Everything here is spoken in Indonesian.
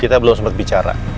kita belum sempat bicara